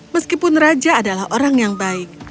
meskipun raja adalah orang yang baik